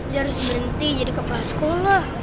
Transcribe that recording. dia harus berhenti jadi kepala sekolah